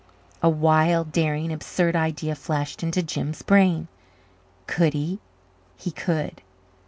A wild, daring, absurd idea flashed into Jims' brain. Could he? He could!